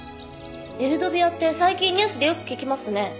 エルドビアって最近ニュースでよく聞きますね。